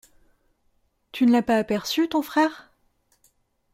Tu ne l’as pas aperçu, ton frère ?